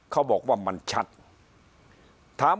พักพลังงาน